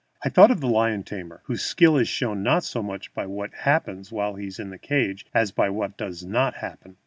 I thought of the lion tamer, whose skill is shown not so much by what happens while he is in the cage as by what does not happen.